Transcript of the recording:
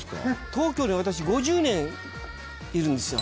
東京に私５０年いるんですよ